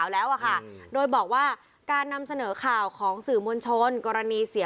แล้วก็หัวหน้าคนสวรรค์เนี่ย